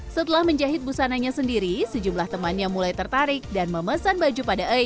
setelah menjahit busananya sendiri sejumlah temannya mulai tertarik dan memesan baju pada air